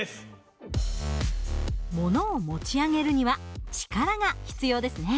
ものを持ち上げるには力が必要ですね。